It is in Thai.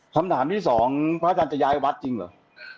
คำถามที่สองพระอาจารย์จะย้ายวัดจริงเหรอ